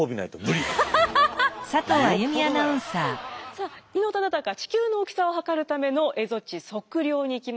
さあ伊能忠敬地球の大きさを測るための蝦夷地測量に行きました。